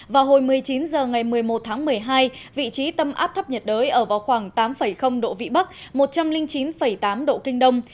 vào hồi một mươi chín h ngày một mươi một tháng một mươi hai vị trí tâm áp thấp nhiệt đới ở vào khoảng tám độ vĩ bắc một trăm linh chín tám độ kinh đông